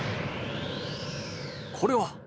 これは。